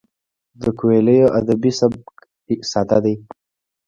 د کویلیو ادبي سبک ساده دی.